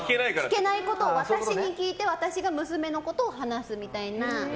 聞けないことを私に聞いて私が娘のことを話すみたいな。